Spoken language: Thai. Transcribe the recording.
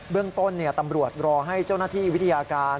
เรื่องต้นตำรวจรอให้เจ้าหน้าที่วิทยาการ